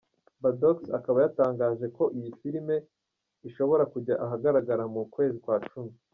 Badox akaba yatangaje ko iyi filimi ishobora kujya ahagaragara mu kwezi kwa cumi.